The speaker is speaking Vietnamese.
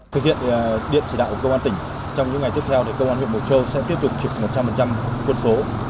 thực hiện điện chỉ đạo của công an tỉnh trong những ngày tiếp theo công an huyện mộc châu sẽ tiếp tục trực một trăm linh quân số